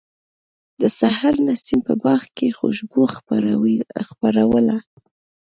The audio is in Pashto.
د سحر نسیم په باغ کې خوشبو خپروله.